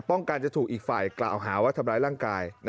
ต้องการจะถูกอีกฝ่ายกล่าวหาว่าทำร้ายร่างกาย